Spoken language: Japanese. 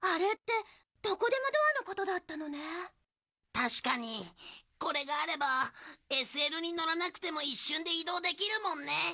確かにこれがあればＳＬに乗らなくても一瞬で移動できるもんね。